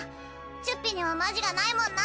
チュッピにはマジがないもんな！